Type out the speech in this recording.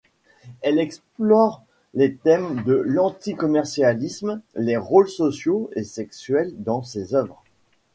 Elle explore les thèmes de l'anti-commercialisme, les rôles sociaux et sexuels dans ses œuvres.